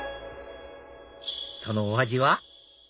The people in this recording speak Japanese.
そのお味は？